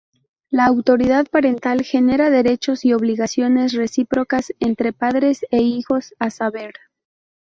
La autoridad parental genera derechos y obligaciones recíprocas entre padres e hijos, a saber